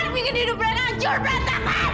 dia ingin hidup mereka hancur berantakan